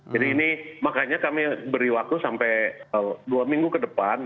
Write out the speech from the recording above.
jadi ini makanya kami beri waktu sampai dua minggu ke depan